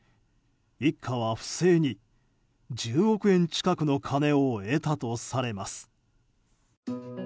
一家は不正に１０億円近くの金を得たとされます。